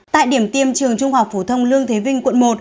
tại điểm tiêm trường trung học phổ thông lương thế vinh quận một